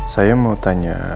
saya mau tanya